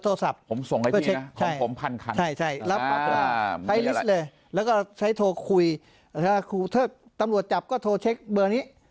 ถ้าใช้โทรคุยถ้าตำรวจจับก็โทรเช็คเบอร์นี้